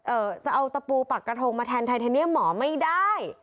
จะเอาตะปูปากกระทงมาแทนไทเทเนียมหมอไม่ได้